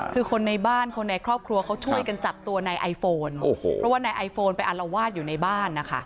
คือคนในบ้านเขาช่วยกันจับตัวไอโฟนเพราะว่าไอโฟนเอาถั่ววาดอยู่ในบ้าน